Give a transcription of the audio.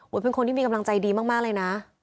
เป็นคนที่มีกำลังใจดีมากเลยนะ